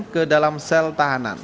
ke dalam sel tahanan